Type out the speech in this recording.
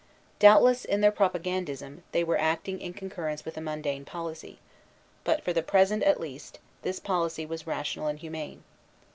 Doubtless, in their propagandism, they were acting in concurrence with a mundane policy; but, for the present at least, this policy was rational and humane.